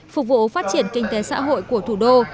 phục vụ phát triển kinh tế xã hội của thủ đô